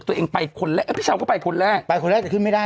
ตัวเองพี่เช้าก็ไปคนแรก